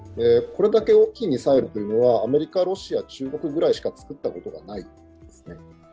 これだけ大きいミサイルというのはアメリカ、ロシア、中国ぐらいしか作ったことがないですね。